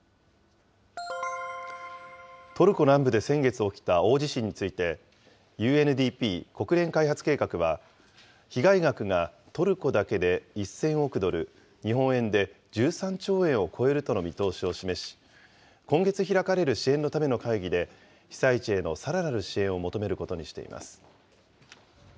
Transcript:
トルコ南部で先月起きた大地震について、ＵＮＤＰ・国連開発計画は、被害額がトルコだけで１０００億ドル、日本円で１３兆円を超えるとの見通しを示し、今月開かれる支援のための会議で、被災地へのさらなる支援を求めることにしています。